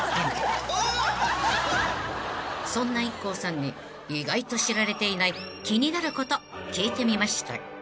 ［そんなＩＫＫＯさんに意外と知られていない気になること聞いてみました］